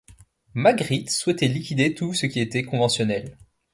Magritte souhaitait liquider tout ce qui était conventionnel.